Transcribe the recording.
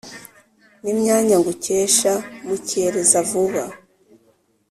ni imyanya ngukesha mukereza-vuba